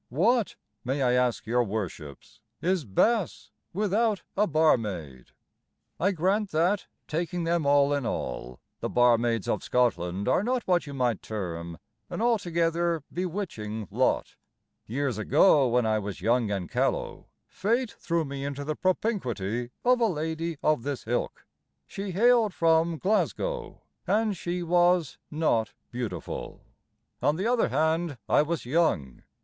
What, may I ask your Worships, Is Bass without a barmaid? I grant that, taking them all in all, The barmaids of Scotland Are not what you might term An altogether bewitching lot. Years ago, when I was young and callow, Fate threw me into the propinquity Of a lady of this ilk; She hailed from Glasgow, And she was not beautiful; On the other hand, I was young.